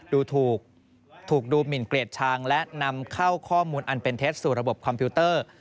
ถูกดูหมินเกลียดชังและนำเข้าข้อมูลอันเป็นเท็จสู่ระบบคอมพิวเตอร์